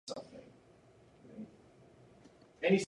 Time Warner had made a similar announcement only hours earlier.